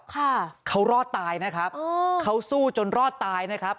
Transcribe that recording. ค่ะเขารอดตายนะครับอ๋อเขาสู้จนรอดตายนะครับ